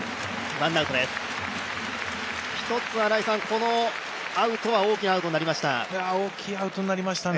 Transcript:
このアウトは大きなアウトになりました。